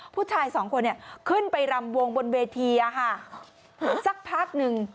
ผู้ชายสองคนเนี่ยขึ้นไปรำวงบนเวทีสักพักหนึ่ง